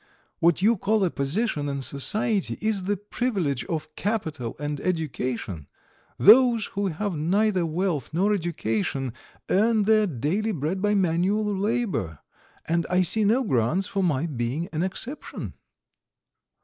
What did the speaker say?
"What you call a position in society is the privilege of capital and education. Those who have neither wealth nor education earn their daily bread by manual labour, and I see no grounds for my being an exception."